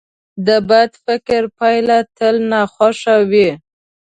د بد فکر پایله تل ناخوښه وي.